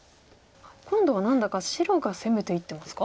今度は何だか白が攻めていってますか？